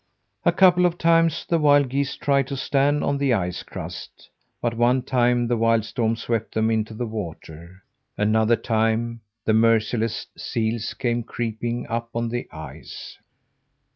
A couple of times the wild geese tried to stand on the ice crust; but one time the wild storm swept them into the water; another time, the merciless seals came creeping up on the ice.